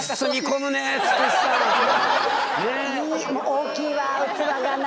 大きいわ器がな。